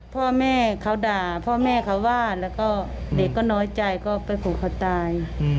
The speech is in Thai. พ่อแม่เขาด่าพ่อแม่เขาว่าแล้วก็เด็กก็น้อยใจก็ไปผูกเขาตาย